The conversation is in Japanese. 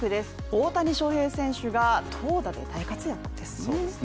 大谷翔平選手が投打で大活躍です